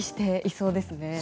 そうですね。